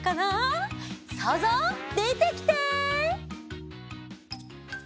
そうぞうでてきて！